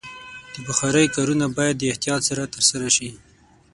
د بخارۍ کارونه باید د احتیاط سره ترسره شي.